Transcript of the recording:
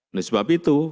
oleh sebab itu